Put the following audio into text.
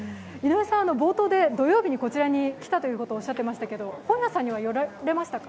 冒頭で土曜日にこちらに来たとおっしゃっていましたが本屋さんには寄られましたか？